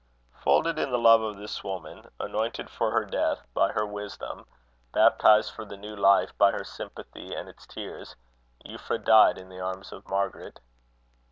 Folded in the love of this woman, anointed for her death by her wisdom, baptized for the new life by her sympathy and its tears, Euphra died in the arms of Margaret.